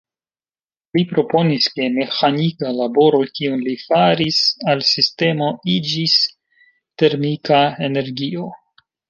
Li proponis ke meĥanika laboro, kiun li faris al sistemo, iĝis "termika energio".